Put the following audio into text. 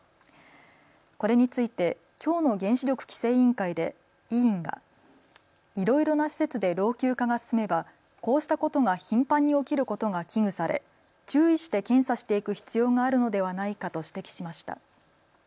これについて、きょうの原子力規制委員会で委員がいろいろな施設で老朽化が進めばこうしたことが頻繁に起きることが危惧され注意して検査していく必要があるのではないかと指摘しました。